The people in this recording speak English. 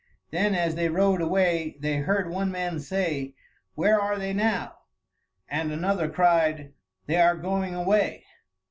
Then as they rowed away they heard one man say, "Where are they now?" and another cried, "They are going away."